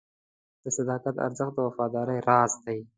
د صداقت ارزښت د وفادارۍ راز دی.